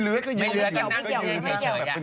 เหลื้อยอย่างนี้หรอเหลื้อย